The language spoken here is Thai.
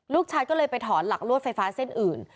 ลูกชายก็เลยไปถอนหลักลวดไฟฟ้าเส้นอื่น